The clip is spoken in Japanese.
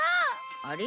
あれ？